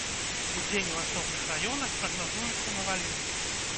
Удзень у асобных раёнах прагназуюцца навальніцы.